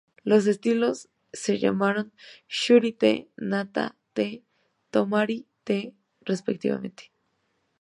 Los estilos se llamaron Shuri-te, Naha-te y Tomari-te, respectivamente.